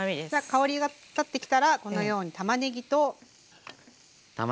香りが立ってきたらこのようにたまねぎと。